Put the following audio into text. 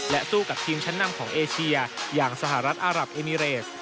สู้กับทีมชั้นนำของเอเชียอย่างสหรัฐอารับเอมิเรส